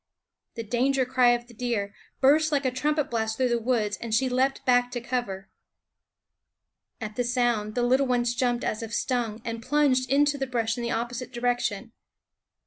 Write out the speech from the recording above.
_ the danger cry of the deer, burst like a trumpet blast through the woods, and she leaped back to cover. At the sound the little ones jumped as if stung, and plunged into the brush in the opposite direction.